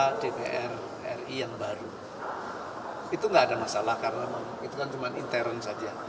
karena dpr ri yang baru itu nggak ada masalah karena itu kan cuma intern saja